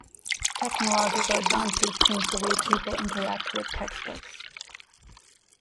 Technological advances change the way people interact with textbooks.